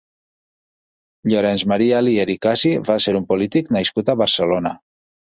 Llorenç Maria Alier i Cassi va ser un polític nascut a Barcelona.